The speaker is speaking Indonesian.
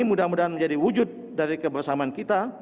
mudah mudahan menjadi wujud dari kebersamaan kita